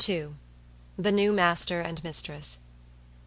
The New Master And Mistress.